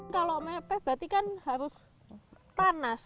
kalau mepet berarti kan harus panas